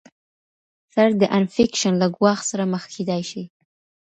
سر د انفیکشن له ګواښ سره مخ کیدای شي.